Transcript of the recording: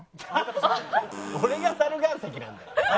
俺が猿岩石なんだよ。